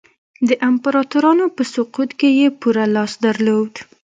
د امپراتورانو په سقوط کې یې پوره لاس درلود.